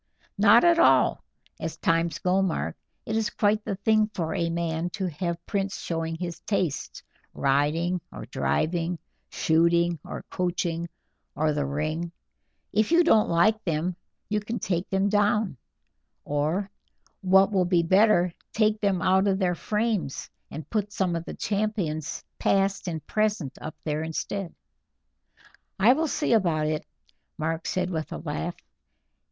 "Not at all, as times go, Mark; it is quite the thing for a man to have prints showing his tastes, riding or driving, shooting or coaching, or the ring. If you don't like them you can take them down, or, what will be better, take them out of their frames and put some of the champions past and present up there instead." "I will see about it," Mark said with a laugh.